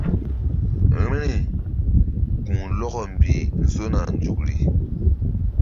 Vbi̧ri ku̧lɔkɔ mbih nzona nzukri.